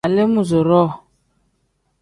Aleemuuzuroo.